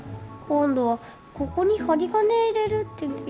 今度はここに針金入れるって聞いた。